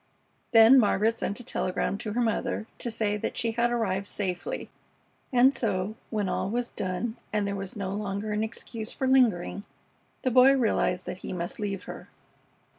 Then Margaret sent a telegram to her mother to say that she had arrived safely, and so, when all was done and there was no longer an excuse for lingering, the Boy realized that he must leave her.